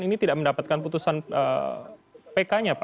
ini tidak mendapatkan putusan pk nya pak